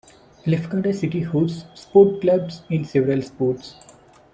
Lefkada City hosts sport clubs in several sports.